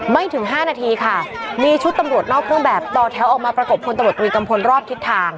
ถึง๕นาทีค่ะมีชุดตำรวจนอกเครื่องแบบต่อแถวออกมาประกบพลตำรวจตรีกัมพลรอบทิศทาง